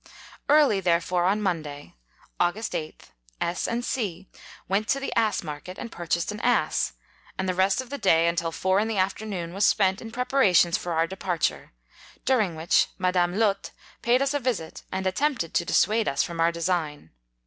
Early, therefore, on Monday, Au 14 gust 8th, S* #* and C* ## went to the ass market, and purchased an ass, and the rest of the day, until four in the afternoon, was spent in preparations for our departure; during which, Ma dame L/Hote paid us a visit, and at tempted to dissuade us from our design.